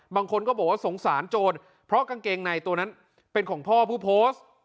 บางคนก็บอกว่าสงสารโจรเพราะกางเกงในตัวนั้นเป็นของพ่อผู้โพสต์